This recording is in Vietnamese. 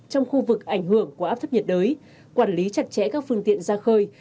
trong khu vực ảnh hưởng của áp thấp nhiệt đới quản lý chặt chẽ các phương tiện ra khơi